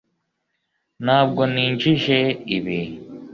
ntabwo ninjije ibi